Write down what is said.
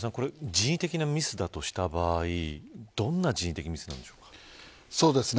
人為的なミスだとした場合どんな人為的ミスなんでしょうか。